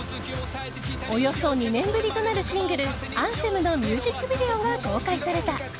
およそ２年ぶりとなるシングル「アンセム」のミュージックビデオが公開された。